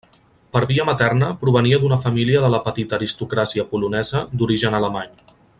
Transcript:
Per via materna provenia d'una família de la petita aristocràcia polonesa d'origen alemany.